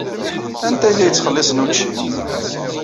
Anta ay la yettxelliṣen učči?